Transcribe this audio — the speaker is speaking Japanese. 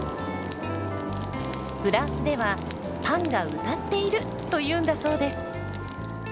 フランスでは「パンが歌っている！」というんだそうです。